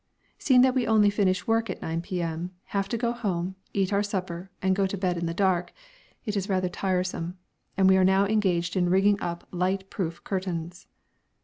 Seeing that we only finish work at 9 P.M., have to get home, eat our supper, and go to bed in the dark, it is rather tiresome, and we are now engaged in rigging up light proof curtains.